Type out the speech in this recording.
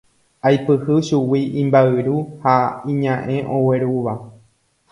aipyhy chugui imba'yru ha iña'ẽ oguerúva